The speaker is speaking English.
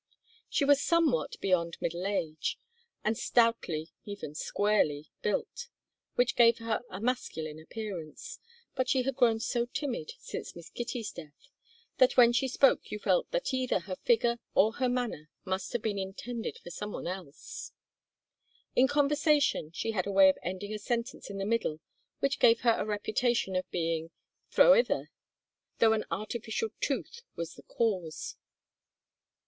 She was somewhat beyond middle age, and stoutly, even squarely, built, which gave her a masculine appearance; but she had grown so timid since Miss Kitty's death that when she spoke you felt that either her figure or her manner must have been intended for someone else. In conversation she had a way of ending a sentence in the middle which gave her a reputation of being "thro'ither," though an artificial tooth was the cause.